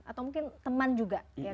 atau mungkin teman juga